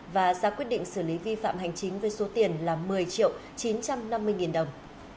và ra quyết định xử lý vi phạm hành chính với số tiền là một mươi triệu chín trăm năm mươi nghìn đồng